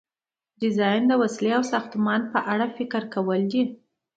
ډیزاین د وسیلې او ساختمان په اړه فکر کول دي.